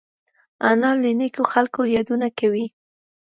انا له نیکو خلقو یادونه کوي